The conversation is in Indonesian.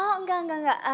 oh nggak enggak enggak